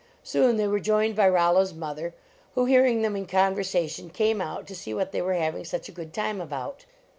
Soon they were joined by Rollo s mother, who, hearing them in conversation, came out " to see what the} were having such a good time about."